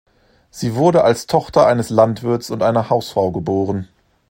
Sie wurde als Tochter eines Landwirts und einer Hausfrau geboren.